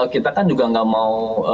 kita kan juga nggak mau